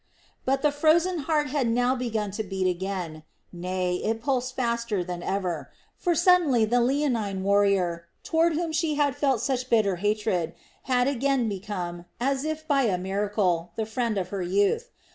But the frozen heart had now begun to beat again, nay it pulsed faster than ever; for suddenly the leonine warrior, toward whom she had just felt such bitter hatred, had again become, as if by a miracle, the friend of her youth.